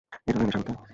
এজন্যই নেশা করতে?